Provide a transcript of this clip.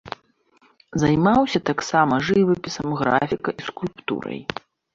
Займаўся таксама жывапісам, графікай і скульптурай.